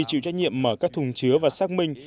chịu trách nhiệm mở các thùng chứa và xác minh